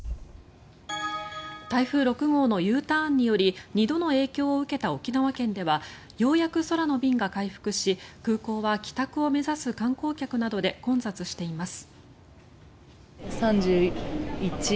台風６号のＵターンにより２度の影響を受けた沖縄県ではようやく空の便が回復し空港は帰宅を目指す観光客などで混雑しています。